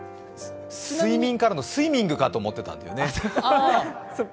睡眠からのスイミングかと思っていたんだよね。